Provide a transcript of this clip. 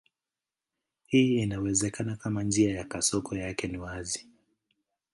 Hii inawezekana kama njia ya kasoko yake ni wazi.